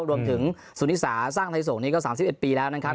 รวมถึงสุนิสาสร้างไทยส่งนี้ก็๓๑ปีแล้วนะครับ